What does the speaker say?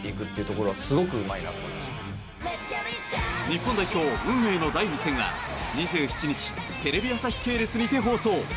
日本代表運命の第２戦は２７日テレビ朝日系列にて放送。